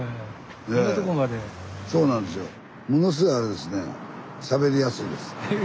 ものすごいあれですねえ？